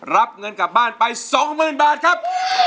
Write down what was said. รับเงินกลับบ้านไป๒๐๐๐บาทครับ